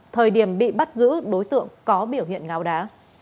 thời điểm bị bắt giữ đối tượng có biểu hiện ngáo đá